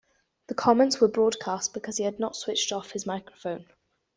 The comments were broadcast because he had not switched off his microphone.